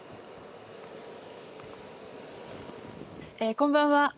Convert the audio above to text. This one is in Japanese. こんばんは。